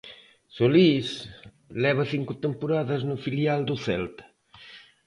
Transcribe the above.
Solís leva cinco temporadas no filial do Celta.